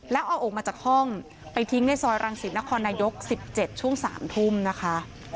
แล้วเอาออกมาจากห้องไปทิ้งในซอยรังสิตนครนายก๑๗ช่วง๓ทุ่มนะคะ